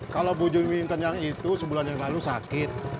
kalau bu juminten yang itu sebulan yang lalu sakit